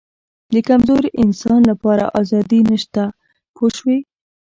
د کمزوري انسان لپاره آزادي نشته پوه شوې!.